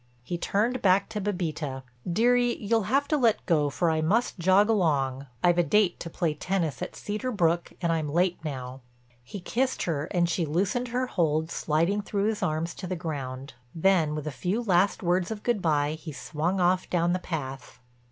He turned back to Bébita. "Dearie, you'll have to let go for I must jog along. I've a date to play tennis at Cedar Brook and I'm late now." He kissed her and she loosened her hold sliding through his arms to the ground. Then with a few last words of good by he swung off down the path.